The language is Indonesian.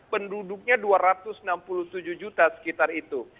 penduduknya dua ratus enam puluh tujuh juta sekitar itu